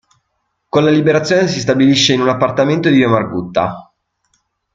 Con la Liberazione si stabilisce in un appartamento di via Margutta.